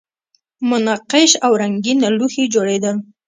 منقش او رنګین لوښي جوړیدل